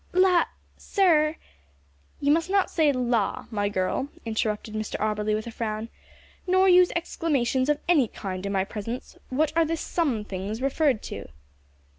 "La! sir " "You must not say `La!' my girl," interrupted Mr Auberly with a frown, "nor use exclamations of any kind in my presence; what are the `some things' referred to?"